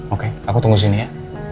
oke aku tunggu sini ya